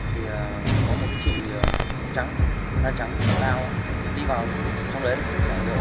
thì có một chị trắng da trắng láo đi vào trong lấy